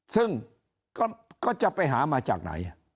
ซึ่งก็จะไปหามาจากไหน